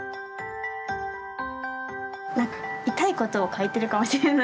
なんかイタいことを書いてるかもしれない。